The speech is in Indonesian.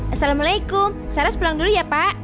assalamualaikum sales pulang dulu ya pak